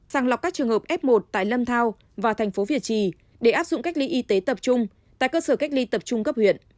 sàng lọc các trường hợp f một tại lâm thao và thành phố việt trì để áp dụng cách ly y tế tập trung tại cơ sở cách ly tập trung cấp huyện